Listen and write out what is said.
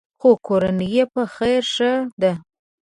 خو کورنۍ یې په خیر ښه ده.